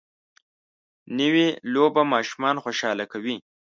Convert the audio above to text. نوې لوبه ماشومان خوشحاله کوي